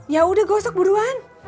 ya udah gosok duluan